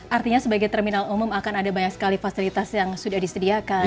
artinya sebagai terminal umum akan ada banyak sekali fasilitas yang sudah disediakan